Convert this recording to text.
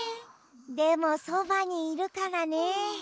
でもそばにいるからね。